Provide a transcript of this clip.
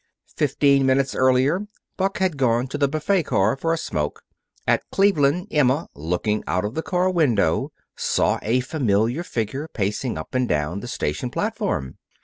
Fifteen minutes earlier, Buck had gone to the buffet car for a smoke. At Cleveland, Emma, looking out of the car window, saw a familiar figure pacing up and down the station platform.